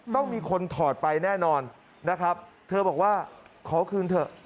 ต้องมีคนถอดไปแน่นอนนะครับเธอบอกว่าขอคืนเถอะ